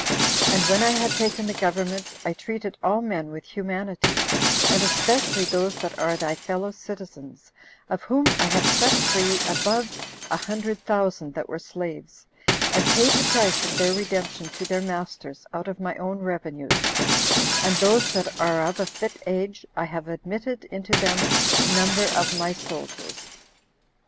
And when I had taken the government, I treated all men with humanity, and especially those that are thy fellow citizens, of whom I have set free above a hundred thousand that were slaves, and paid the price of their redemption to their masters out of my own revenues; and those that are of a fit age, I have admitted into them number of my soldiers.